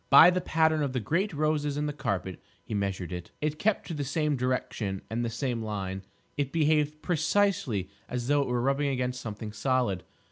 By the pattern of the great roses in the carpet he measured it. It kept to the same direction and the same line. It behaved precisely as though it were rubbing against something solid.